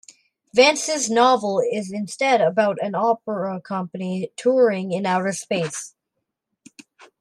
Vance's novel is instead about an opera company touring in outer space.